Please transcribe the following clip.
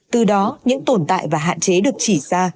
từ đó những tồn tại và hạn chế được chỉ ra